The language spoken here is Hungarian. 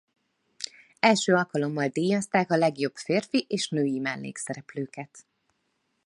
Első alkalommal díjazták a legjobb férfi és női mellékszereplőket.